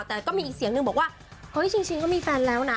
แต่ก็มีอีกเสียงหนึ่งบอกว่าเฮ้ยชิงก็มีแฟนแล้วนะ